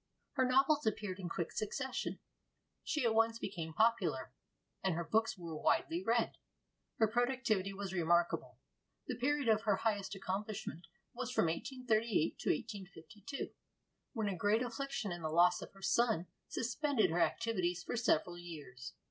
Her novels appeared in quick succession; she at once became popular, and her books were widely read. Her productivity was remarkable. The period of her highest accomplishment was from 1838 to 1852, when a great affliction in the loss of her son suspended her activities for several years.